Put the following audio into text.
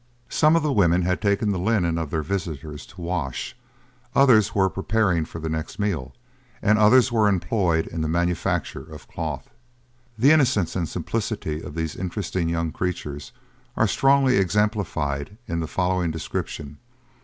Some of the women had taken the linen of their visitors to wash; others were preparing for the next meal; and others were employed in the manufacture of cloth. The innocence and simplicity of these interesting young creatures are strongly exemplified in the following description.